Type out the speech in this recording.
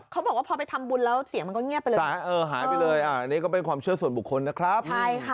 เขาบอกว่าพอไปทำบุญแล้วเสียงมันก็เงียบไปเลยหายไปเลยอ่ะอันนี้ก็เป็นความเชื่อส่วนบุคคลนะครับใช่ค่ะ